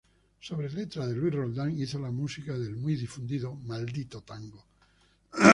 Sobre letra de Luis Roldán hizo la música del muy difundido "Maldito tango".